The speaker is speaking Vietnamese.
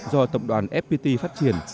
do tổng đoàn fpt phát triển